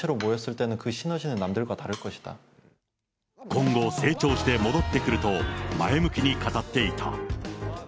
今後、成長して戻ってくると前向きに語っていた。